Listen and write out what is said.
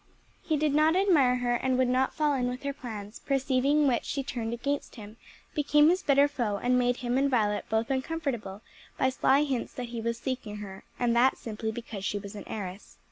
He did not admire her and would not fall in with her plans, perceiving which she turned against him, became his bitter foe, and made him and Violet both uncomfortable by sly hints that he was seeking her; and that simply because she was an heiress.